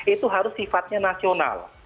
itu harus sifatnya nasional